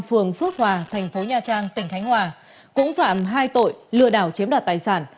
phường phước hòa thành phố nha trang tỉnh khánh hòa cũng phạm hai tội lừa đảo chiếm đoạt tài sản